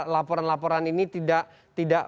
laporan laporan ini tidak